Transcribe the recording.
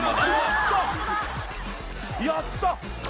やった！